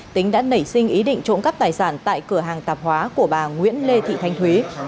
tính đã nảy sinh ý định trộm cắp tài sản tại cửa hàng tạp hóa của bà nguyễn lê thị thanh thúy